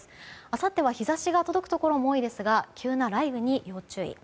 あさっては日差しが届くところも多いんですが急な雷雨に要注意。